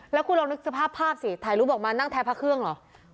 แล้วคุณลองนึกสภาพภาพสิถ่ายรูปออกมานั่งแท้พระเครื่องเหรอ